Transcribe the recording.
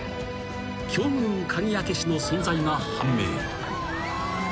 ［強運鍵開け師の存在が判明］